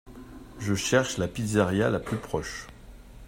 Je cherche la pizzeria la plus proche